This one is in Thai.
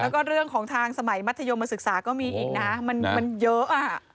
แล้วก็เรื่องของทางสมัยมัธยมศึกษาก็มีอีกนะมันเยอะอ่ะ